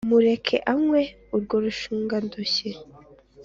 mureke anywe urwo rushungandushyi,